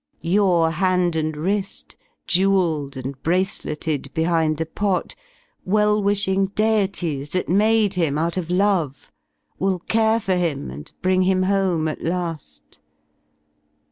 Tour hand and wrifi, jewelled and braceleted. Behind the pot, well wishing deities 86 That made him out of love y tvill care for him. And bring him home at la§l.